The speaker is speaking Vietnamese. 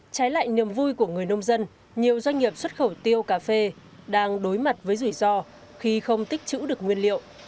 trái lại niềm vui của người nông dân nhiều doanh nghiệp xuất khẩu tiêu cà phê đang đối mặt với rủi ro khi không tích chữ được nguyên liệu